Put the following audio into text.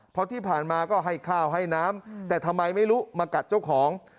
เพราะที่ผ่านมาก็ให้ข้าวให้น้ำแต่ทำไมไม่รู้มากัดเจ้าของ